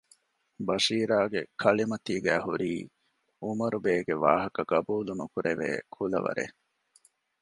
ބަޝީރުގެ ކަޅިމަތީގައި ހުރީ އުމަރުބޭގެ ވާހަކަ ގަބޫލު ނުކުރެވޭ ކުލަވަރެއް